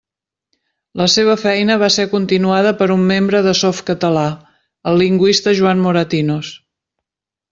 La seva feina va ser continuada per un membre de Softcatalà, el lingüista Joan Moratinos.